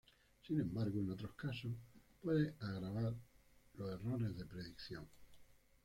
Sin embargo, en otros casos, puede agravar los errores de predicción.